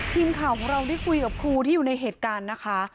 ทีมข่าวของเราได้คุยกับครูที่อยู่ในเหตุการณ์นะคะ